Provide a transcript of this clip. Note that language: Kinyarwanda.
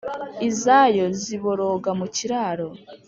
izayo ziboroga mu kiraro.